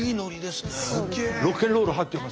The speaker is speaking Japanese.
すっげえ。